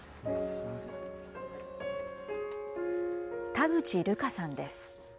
田口瑠佳さんです。